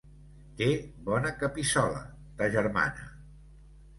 Té bona capissola, ta germana!